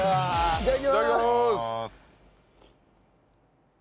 いただきまーす。